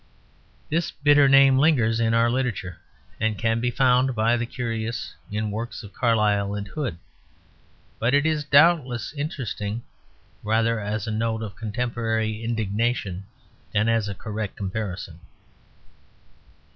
This bitter name lingers in our literature, and can be found by the curious in the works of Carlyle and Hood, but it is doubtless interesting rather as a note of contemporary indignation than as a correct comparison.